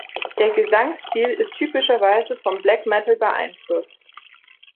Der Gesangsstil ist typischerweise vom Black Metal beeinflusst.